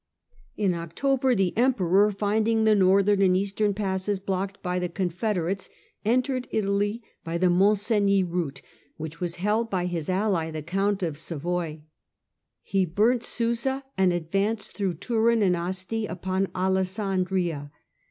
In October the Emperor, finding the northern and Frederick eastern passes blocked by the confederates, entered Italy Italian Ex by the Mont Cenis route, which was held by his ally ped|tion, the Count of Savoy. He burnt Susa and advanced through Turin and Asti upon Alessandria.